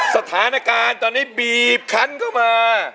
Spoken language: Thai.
สถานการณ์ตอนนี้บีบคันเข้ามา